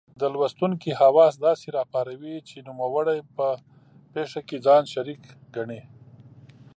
د لوستونکې حواس داسې را پاروي چې نوموړی په پېښه کې ځان شریک ګڼي.